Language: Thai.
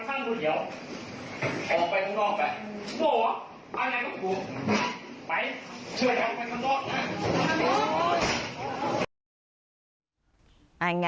ไปเชื่อมันไปตรงนอก